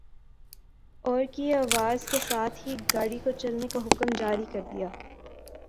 اور کی آواز کے ساتھ ہی گاڑی کو چلنے کا حکم جاری کر دیا ۔